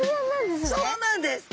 そうなんです。